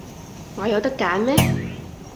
我有得揀咩？